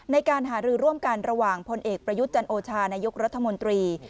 ในการหารือร่วมกันระหว่างพลเอกประยุทธ์จันโอชานายกรัฐมนตรี